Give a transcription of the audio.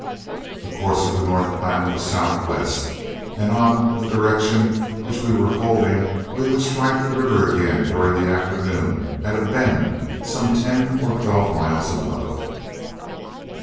The course of the North Platte was southwest, and on the direction which we were holding, we would strike the river again during the afternoon at a bend some ten or twelve miles above.